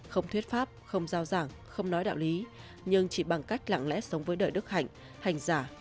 không thuyết pháp không giao giảng không nói đạo lý nhưng chỉ bằng cách lặng lẽ sống với đời đức hạnh hành giả